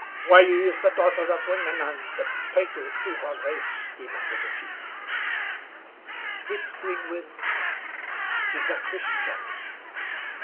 "Why is the daughter of Wingenund a traitor to her race?" demanded the chief. "Whispering Winds is a Christian."